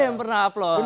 ada yang pernah upload